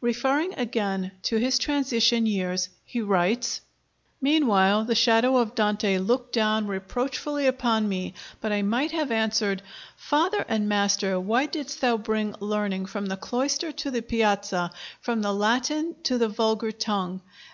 Referring again to his transition years, he writes: "Meanwhile the shadow of Dante looked down reproachfully upon me; but I might have answered: 'Father and Master, why didst thou bring learning from the cloister to the piazza, from the Latin to the vulgar tongue?